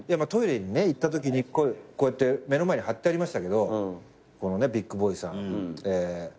トイレに行ったときにこうやって目の前に張ってありましたけどこのビッグボーイさん。